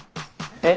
え？